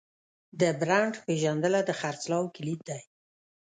د برانډ پیژندنه د خرڅلاو کلید دی.